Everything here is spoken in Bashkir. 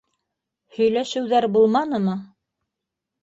Һөйләшеүҙәр булманымы?